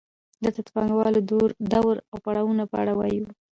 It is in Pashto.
دلته د پانګوالۍ د دورو او پړاوونو په اړه وایو